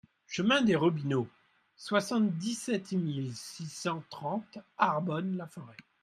Chemin des Robineaux, soixante-dix-sept mille six cent trente Arbonne-la-Forêt